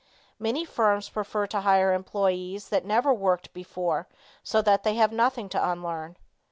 Many firms prefer to hire employees that never worked before so that they have nothing to unlearn.